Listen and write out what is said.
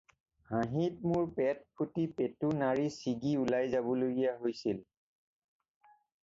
হাঁহিত মোৰ পেট ফুটি পেটু-নাড়ী ছিগি ওলাই যাবলগীয়া হৈছিল।